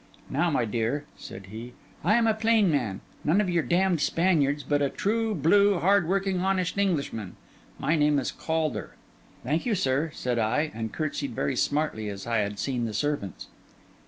'Now, my dear,' said he, 'I am a plain man: none of your damned Spaniards, but a true blue, hard working, honest Englishman. My name is Caulder.' 'Thank you, sir,' said I, and curtsied very smartly as I had seen the servants.